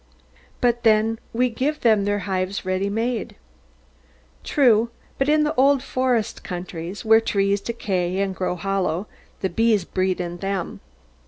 But then we give them their hives ready made. True. But in old forest countries, where trees decay and grow hollow, the bees breed in them.